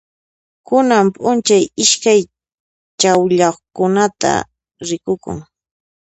Kunan p'unchay iskay challwaqkunata rikukun.